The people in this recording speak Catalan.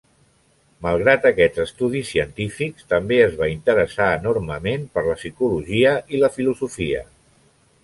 Malgrat aquests estudis científics, també es va interessar enormement per la psicologia i la filosofia.